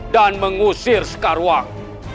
dan mengusir sekarwang